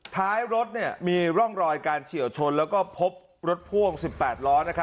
ท้ายรถมีร่องรอยการเฉียวชนแล้วก็พบรถพ่วง๑๘ล้อ